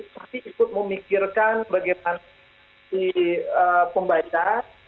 tapi ikut memikirkan bagaimana si pembaca